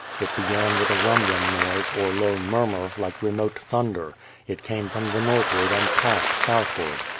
It began with a rumbling noise, or low murmur, like remote thunder; it came from the northward and passed southward.